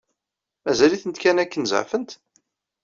Mazal-itent kan akken zeɛfent?